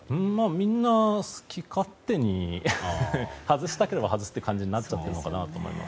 みんな、好き勝手に外したければ外すって感じになっちゃってるのかなって。